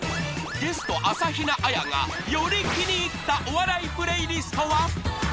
ゲスト朝比奈彩がより気に入ったお笑いプレイリストは？